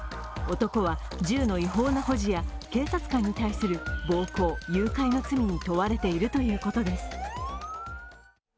男は銃の違法な保持や警察官に対する暴行・誘拐の罪に問われているということです。